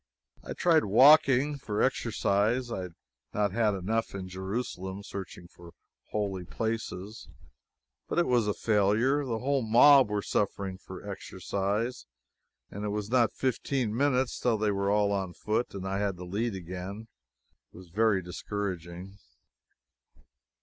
I tried walking, for exercise I had not had enough in Jerusalem searching for holy places. But it was a failure. The whole mob were suffering for exercise, and it was not fifteen minutes till they were all on foot and I had the lead again. It was very discouraging.